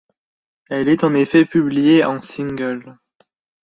Elle est en effet publiée en single.